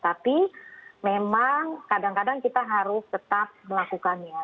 tapi memang kadang kadang kita harus tetap melakukannya